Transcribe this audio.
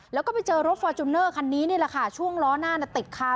แล้วก็ไปเจอรถฟอร์จูเนอร์คันนี้นี่แหละค่ะช่วงล้อหน้าติดคา